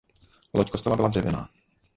Loď kostela byla dřevěná.